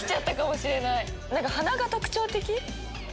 何か鼻が特徴的。